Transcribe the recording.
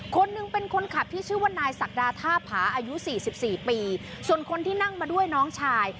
คนหนึ่งเป็นคนขับที่ชื่อว่านายศักดาท่าผาอายุสี่สิบสี่ปีส่วนคนที่นั่งมาด้วยน้องชาย